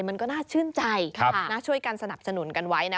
มันก็น่าชื่นใจช่วยกันสนับสนุนกันไว้นะ